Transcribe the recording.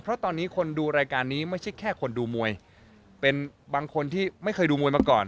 เพราะตอนนี้คนดูรายการนี้ไม่ใช่แค่คนดูมวยเป็นบางคนที่ไม่เคยดูมวยมาก่อน